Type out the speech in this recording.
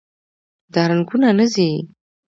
دا رنګونه نه ځي.